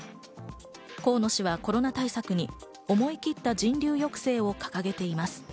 河野氏はコロナ対策に思い切った人流抑制を掲げています。